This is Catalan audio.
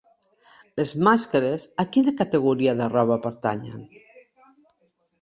Les màscares a quina categoria de roba pertanyen?